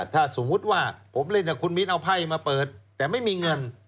ถ้าสมมุติว่าผมเล่นคุณมิ้นเอาไพ่มาเปิดแต่ไม่มีเงิน